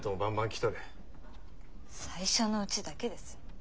最初のうちだけです。